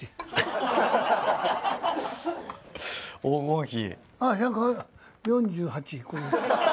黄金比。